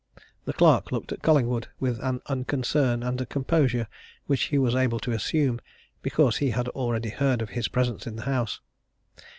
The clerk looked at Collingwood with an unconcern and a composure which he was able to assume because he had already heard of his presence in the house.